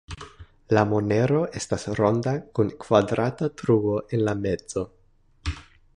La monero estas ronda kun kvadrata truo en la mezo.